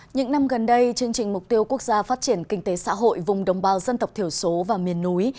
những năm gần đây chương trình mục tiêu quốc gia phát triển kinh tế xã hội vùng đồng bào dân tộc thiểu số và miền núi